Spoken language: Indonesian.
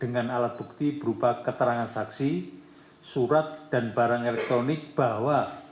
dengan alat bukti berupa keterangan saksi surat dan barang elektronik bahwa